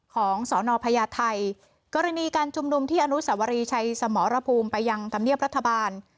ของสรณพญาไทยกรณีการจุ่มดูมที่อนุสาวรีชัยสมระภูมิประยังตำเนียบรัฐบาล